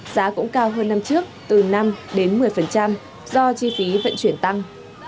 giá cũng cao hơn năm trước từ năm đến một mươi do chi phí vận chuyển tăng